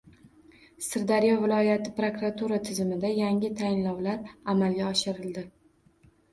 Sirdaryo viloyati prokuratura tizimida yangi tayinlovlar amalga oshirildi